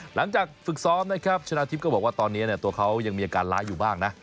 หลังจากฝึกซ้อมนะครับชนะทิพย์ก็บอกว่าตอนนี้ตัวเขายังมีอาการร้ายอยู่บ้างนะ